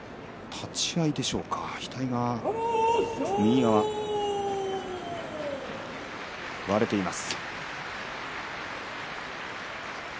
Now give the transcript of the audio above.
立ち合いでしょうか額の右側、割れています。